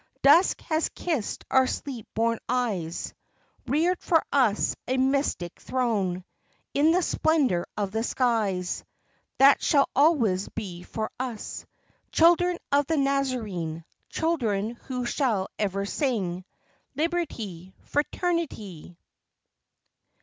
Dusk has kissed our sleep born eyes, Reared for us a mystic throne In the splendor of the skies, That shall always be for us, Children of the Nazarene, Children who shall ever sing Liberty! Fraternity!